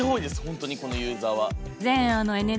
本当にこのユーザーは。